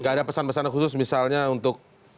gak ada pesan pesan khusus misalnya untuk